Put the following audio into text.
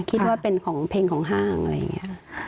คิดว่าเป็นของเพลงของห้างอะไรอย่างนี้